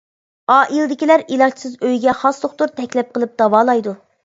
ئائىلىدىكىلەر ئىلاجسىز ئۆيىگە خاس دوختۇر تەكلىپ قىلىپ داۋالايدۇ.